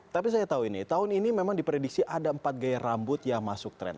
tapi saya tahu ini tahun ini memang diprediksi ada empat gaya rambut yang masuk tren